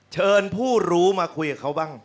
เชิญผู้รู้มาคุยกับเขาบ้าง